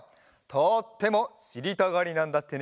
とってもしりたがりなんだってね。